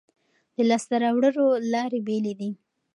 د لاسته راوړلو لارې بېلې دي.